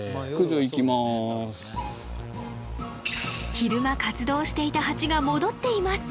昼間活動していたハチが戻っています